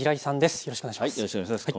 よろしくお願いします。